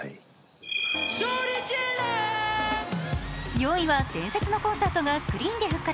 ４位は、伝説のコンサートがスクリーンで復活。